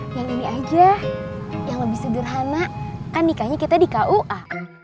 yang ini aja yang lebih sederhana kan nikahnya kita di kua